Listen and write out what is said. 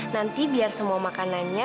nanti biar semua makanannya